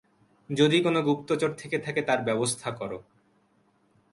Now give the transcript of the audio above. যদি কোন গুপ্তচর থেকে থাকে, তার ব্যবস্থা কর!